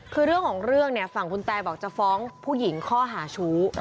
คือเรื่องของเรื่องเนี่ยฝั่งคุณแตบอกจะฟ้องผู้หญิงข้อหาชู้